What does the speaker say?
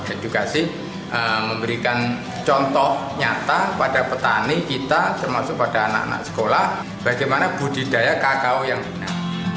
edukasi memberikan contoh nyata pada petani kita termasuk pada anak anak sekolah bagaimana budidaya kakao yang benar